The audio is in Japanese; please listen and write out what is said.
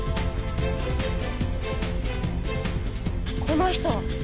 この人！